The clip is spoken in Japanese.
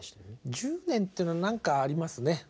１０年っていうのは何かありますね。